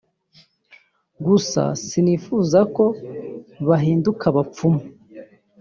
gusa sinifuza ko bahinduka abapfumu